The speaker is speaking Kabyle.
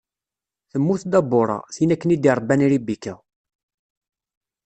Temmut Dabuṛa, tin akken i d-iṛebban Ribika.